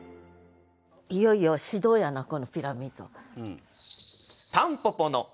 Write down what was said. いよいよ始動やなこのピラミッド。